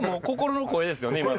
心の声ですよね